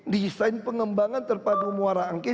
desain pengembangan terpadu muara angke